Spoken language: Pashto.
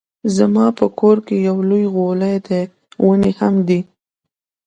زما په کور کې يو لوی غولی دی ونې هم دي